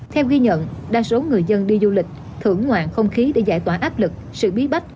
theo ghi nhận đa số người dân đi du lịch thưởng ngoạn không khí để giải tỏa áp lực sự bí bách